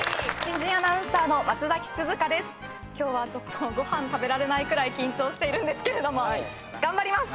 今日はご飯食べられないくらい緊張しているんですけれども頑張ります！